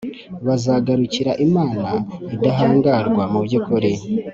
bazagarukira Imana Idahangarwa mu byukuri